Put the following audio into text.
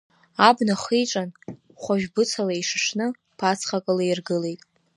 Абна хиҿан, хәажә быцала ишышны, ԥацхак ылаиргылеит.